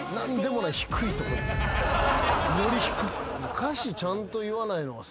歌詞ちゃんと言わないのはさ。